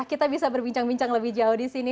kita bisa berbincang bincang lebih jauh di sini